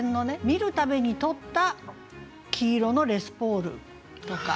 「見る度に撮った黄色のレスポール」とか。